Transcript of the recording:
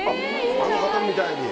あの方みたいに。